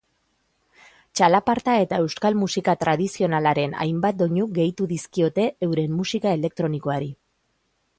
Txalaparta eta euskal musika tradizionalaren hainbat doinu gehitu dizkiote euren musika elektronikoari.